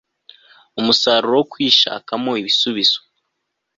umusaruro wo kwishakamo ibisubizo